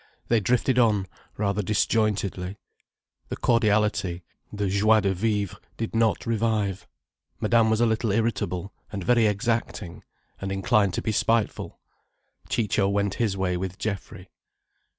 They drifted on, rather disjointedly. The cordiality, the joie de vivre did not revive. Madame was a little irritable, and very exacting, and inclined to be spiteful. Ciccio went his way with Geoffrey.